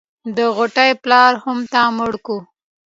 د غوټۍ پلار هم تا مړ کو.